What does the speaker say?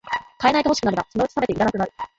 買えないと欲しくなるが、そのうちさめていらなくなる